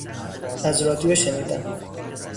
از رادیو شنیدم.